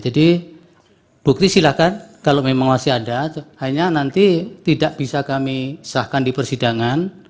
jadi bukti silakan kalau memang masih ada hanya nanti tidak bisa kami sahkan di persidangan